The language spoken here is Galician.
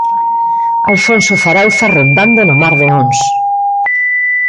Alfonso Zarauza rodando no mar de Ons.